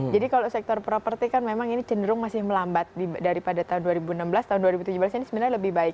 kalau sektor properti kan memang ini cenderung masih melambat daripada tahun dua ribu enam belas tahun dua ribu tujuh belas ini sebenarnya lebih baik